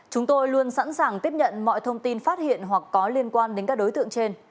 chúng tôi luôn sẵn sàng tiếp nhận mọi thông tin phát hiện hoặc có liên quan đến các đối tượng trên